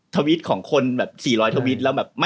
ทวิตของคนแบบ๔๐๐ทวิตแล้วแบบ